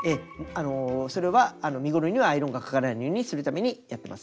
それは身ごろにはアイロンがかからないようにするためにやってます。